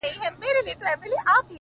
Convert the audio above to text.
وركه يې كړه،